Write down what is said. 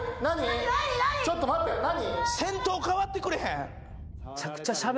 ちょっと待って何？